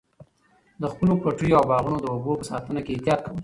د خپلو پټیو او باغونو د اوبو په ساتنه کې احتیاط کوئ.